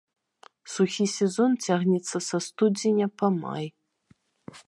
Сухі сезон цягнецца са студзеня па май.